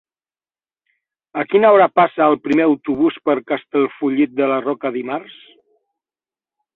A quina hora passa el primer autobús per Castellfollit de la Roca dimarts?